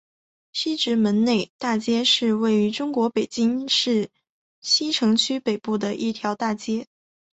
西直门内大街是位于中国北京市西城区北部的一条大街。